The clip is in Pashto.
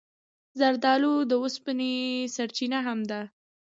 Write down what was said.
زردالو د اوسپنې سرچینه هم ده.